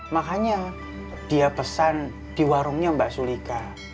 makanya dia pesan di warungnya mbak sulika